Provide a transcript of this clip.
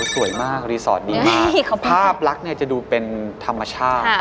สวยมากรีสอร์ทดีมากภาพลักษณ์จะดูเป็นธรรมชาติ